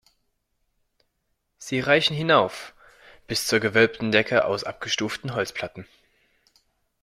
Sie reichen hinauf bis zur gewölbten Decke aus abgestuften Holzplatten.